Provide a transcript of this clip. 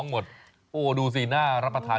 มีกลิ่นหอมกว่า